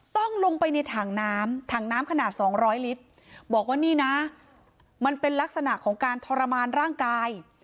ต้องลงไปในถังน้ำถังน้ำขนาด๒๐๐ลิตรบอกว่านี่นะมันเป็นลักษณะของการทรมานร่างกาย